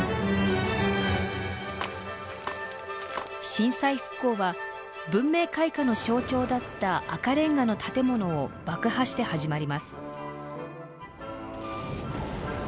震災復興は文明開化の象徴だった赤レンガの建物を爆破して始まります。